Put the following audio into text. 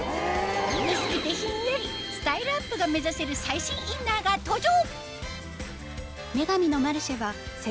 スタイルアップが目指せる最新インナーが登場！